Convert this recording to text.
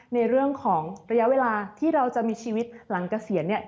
ในเรื่องของระยะเวลาที่เราจะมีชีวิตหลังเกษียณเนี่ย